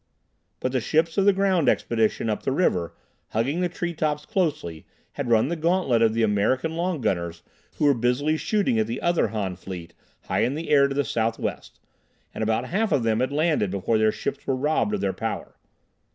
But the ships of the ground expedition up the river, hugging the tree tops closely, had run the gauntlet of the American long gunners who were busily shooting at the other Han fleet, high in the air to the southwest, and about half of them had landed before their ships were robbed of their power.